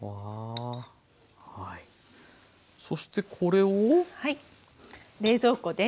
そしてこれを。